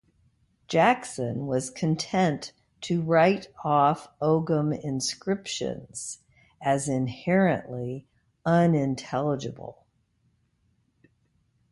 Jackson was content to write off Ogham inscriptions as inherently unintelligible.